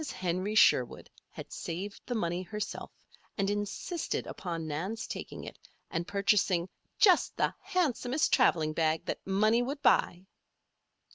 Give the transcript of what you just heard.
Henry Sherwood had saved the money herself and insisted upon Nan's taking it and purchasing "just the handsomest traveling bag the money would buy."